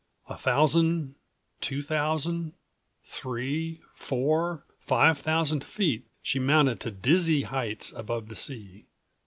A thousand, two thousand, three, four, five thousand feet she mounted to dizzy heights above the sea.